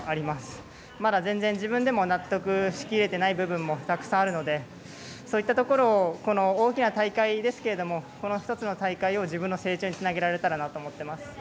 まだ全然、自分でも納得しきれてない部分もたくさんあるのでそういったところを大きな大会ですけれどもこの１つの大会を自分の成長につなげられたらなと思っています。